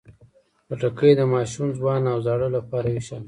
خټکی د ماشوم، ځوان او زاړه لپاره یو شان ده.